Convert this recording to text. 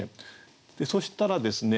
そしたらですね